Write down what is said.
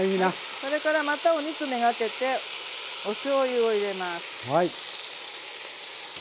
それからまたお肉目がけておしょうゆを入れます。